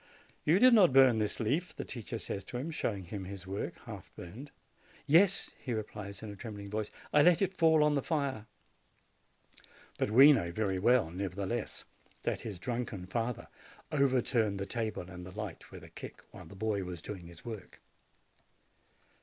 "You did not burn this leaf," the teacher says to him, showing him his work, half burned. "Yes," he replies, in a trembling voice; "I let it fall on the fire." But we know very well, nevertheless, that his drunken father overturned the table and the light with a kick, while the boy was doing his work.